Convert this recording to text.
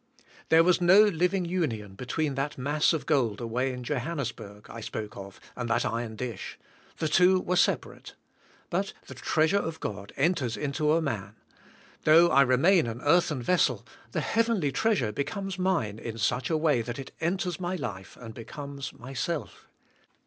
There was no living union between that mass of gold away in Johannesburg, I spoke of, and that iron dish. The two were sepa rate. But the treasure of God enters into a man; though I remain an earthen vessel, the heavenly treasure becomes mine in such a way that it enters my life and becomes myself.